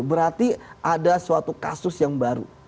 berarti ada suatu kasus yang baru